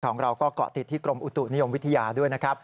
ของเราก็เกาะติดที่กรมอุตุนิยมวิทยาด้วยนะครับ